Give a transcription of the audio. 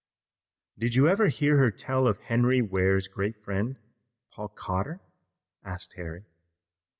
"Did you ever hear her tell of Henry Ware's great friend, Paul Cotter?" asked Harry.